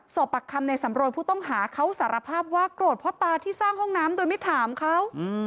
ปักคำในสำรวยผู้ต้องหาเขาสารภาพว่าโกรธพ่อตาที่สร้างห้องน้ำโดยไม่ถามเขา